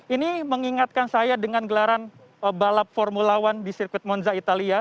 ini mengingatkan saya dengan gelaran balap formula one di sirkuit monza italia